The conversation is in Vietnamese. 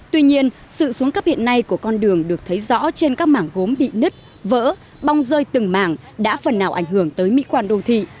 tuy nhiên sự xuống cấp hiện nay của con đường được thấy rõ trên các mảng gốm bị nứt vỡ bong rơi từng mảng đã phần nào ảnh hưởng tới mỹ quan đô thị